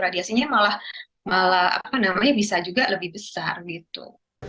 radiasinya malah bisa juga lebih besar gitu